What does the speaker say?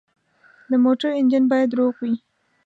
د موټر انجن باید روغ وي.